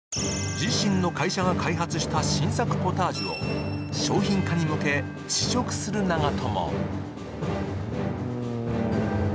自身の会社が開発した新作ポタージュを商品化に向け、試食する長友。